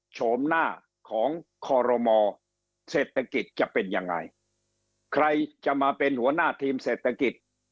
จะเป็นยังไงใครจะมาเป็นหัวหน้าทีมเศรษฐกิจ